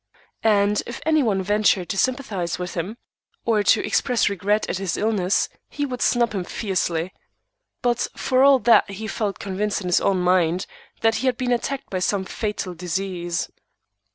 And if anyone ventured to sympathize with him, or to express regret at his illness, he would snub him fiercely. But for all that he felt convinced, in his own mind, that he had been attacked by some fatal disease.